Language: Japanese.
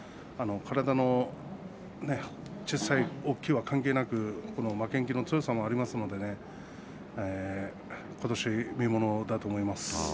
体の小さい、大きいは関係なく負けん気の強さもありますのでありますのでことしは見ものだと思います。